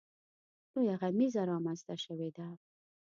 لویه غمیزه رامنځته شوې ده.